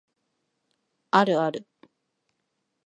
あるある